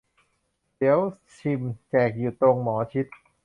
เดี๋ยวชิม แจกอยู่ตรง หมอชิต